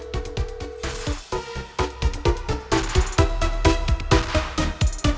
kalau lo yang momentya kewood mau berhenti ya